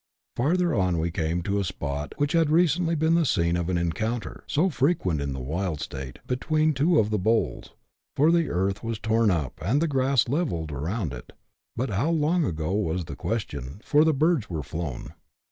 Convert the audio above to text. Farther on we came to a spot which had recently been the scene of an encounter, so frequent in the wild state, between two of the bulls ; for the earth was torn up, and the grass levelled around it, but how long ago was the question, for the birds were flown.